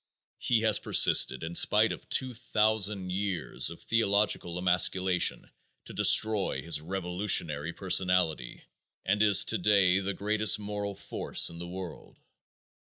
He has persisted in spite of two thousand years of theological emasculation to destroy his revolutionary personality, and is today the greatest moral force in the world.